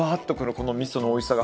このみそのおいしさが。